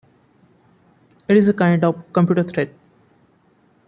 It is a kind of computer threat.